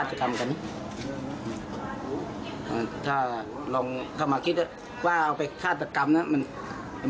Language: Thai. เดี๋ยวไม่ปรับเชื่ออยู่